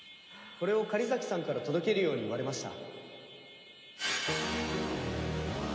これを狩崎さんから届けるように言われました。